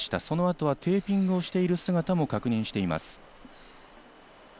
その後はテーピングをしている姿も確認しています。